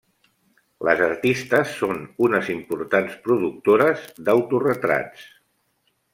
Les artistes són unes importants productores d'autoretrats.